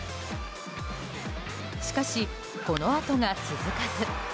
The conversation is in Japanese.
しかし、このあとが続かず。